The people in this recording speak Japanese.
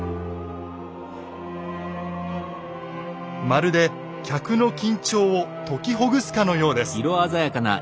まるで客の緊張を解きほぐすかのようです。